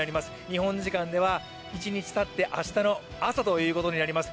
日本時間では一日たって明日の朝ということになります。